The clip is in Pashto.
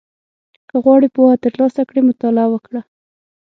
• که غواړې پوهه ترلاسه کړې، مطالعه وکړه.